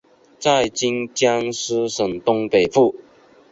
在今江苏省东北部。